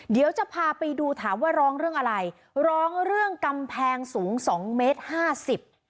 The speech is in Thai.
เดี๋ยวจะพาไปดูถามว่าร้องเรื่องอะไรร้องเรื่องกำแพงสูงสองเมตรห้าสิบ